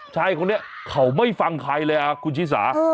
ชายคนนี้เขาไม่ฟังใครเลยคุณชิสา